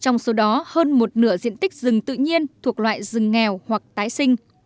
trong số đó hơn một nửa diện tích rừng tự nhiên thuộc loại rừng nghèo hoặc tái sinh